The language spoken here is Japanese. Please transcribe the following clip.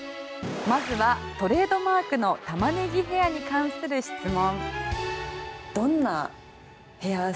まずは、トレードマークのタマネギヘアに関する質問。